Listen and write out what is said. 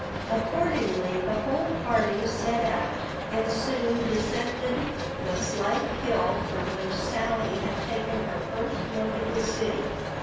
Accordingly the whole party set out, and soon descended the slight hill from which Sally had taken her first look at the city.